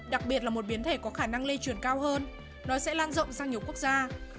đặc biệt là một biến thể có khả năng lây truyền cao hơn nó sẽ lan rộng sang nhiều quốc gia